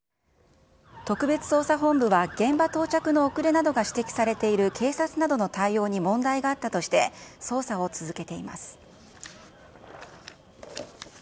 特別捜査本部は、現場到着の遅れなどが指摘されている警察などの対応に問題があったとして、捜査を続けています。